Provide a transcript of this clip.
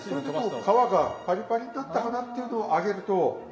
皮がパリパリになったかなっていうのを揚げるといい感じです。